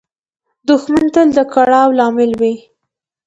دښمن تل د کړاو لامل وي